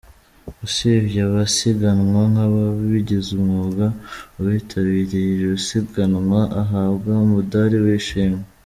Usibye abasiganwa nk’ababigize umwuga, uwitabiriye iri siganwa ahabwa umudali w’ishimwe.